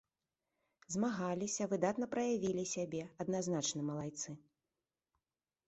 Змагаліся, выдатна праявілі сябе, адназначна малайцы.